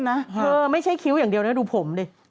เธอไม่ใช่คิ้วอย่างเดียวนะเดี๋ยวดูผมตัวนี้